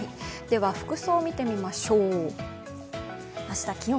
服装を見てみましょう。